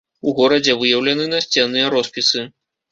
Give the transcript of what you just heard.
У горадзе выяўлены насценныя роспісы.